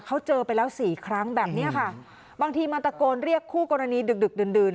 เขาเจอไปแล้วสี่ครั้งแบบเนี้ยค่ะบางทีมาตะโกนเรียกคู่กรณีดึกดึกดื่นดื่น